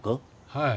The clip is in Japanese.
はい。